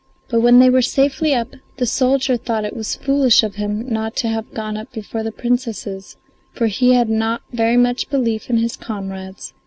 But when they were safely up, the soldier thought it was foolish of him not to have gone up before the Princesses, for he had not very much belief in his comrades.